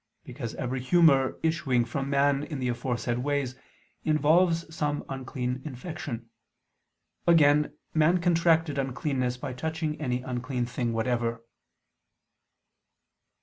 Because every humor issuing from man in the aforesaid ways involves some unclean infection. Again, man contracted uncleanness by touching any unclean thing whatever.